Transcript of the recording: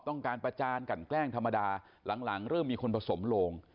ต้องการประจานกันแกล้งธรรมดาหลังเริ่มมีคนผสมโลง